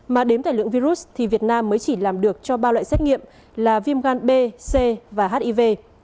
mà đến tài lượng virus thì việt nam mới chỉ làm được cho ba loại xét nghiệm là viêm gan b c và hiv